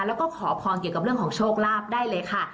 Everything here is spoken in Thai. แล้วก็ขอพรเกี่ยวกับเรื่องของโชคลาภได้เลยค่ะ